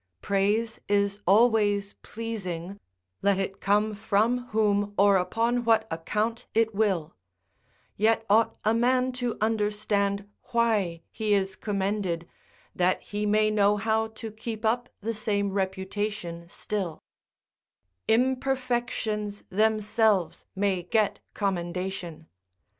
Praise is always pleasing, let it come from whom, or upon what account it will; yet ought a man to understand why he is commended, that he may know how to keep up the same reputation still: imperfections themselves may get commendation.